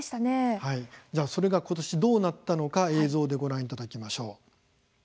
じゃあそれがことしどうなったのか映像でご覧いただきましょう。